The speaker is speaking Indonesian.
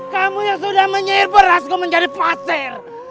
kamu yang sudah menyihir beras gua menjadi pasir